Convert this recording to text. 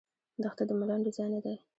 دښته د ملنډو ځای نه دی.